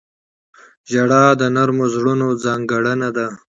• ژړا د نرمو زړونو ځانګړنه ده.